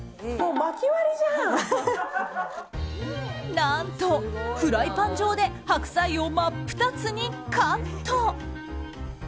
何と、フライパン上で白菜を真っ二つにカット。